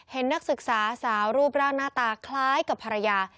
นักศึกษาสาวรูปร่างหน้าตาคล้ายกับภรรยา